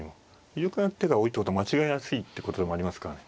有力な手が多いってことは間違いやすいってことでもありますからね。